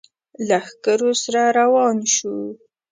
لښکرو سره روان شو.